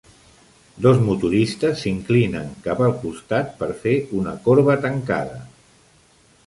Dos motoristes s'inclinen cap al costat per fer una corba tancada.